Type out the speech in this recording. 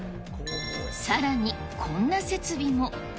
さらに、こんな設備も。